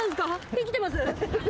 生きてます？